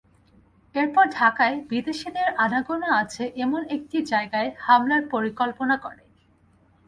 এরপর ঢাকায় বিদেশিদের আনাগোনা আছে এমন একটি জায়গায় হামলার পরিকল্পনা করে।